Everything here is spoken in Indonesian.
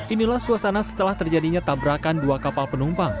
inilah suasana setelah terjadinya tabrakan dua kapal penumpang